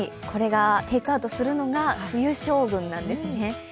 これがテークアウトするのが冬将軍なんですね。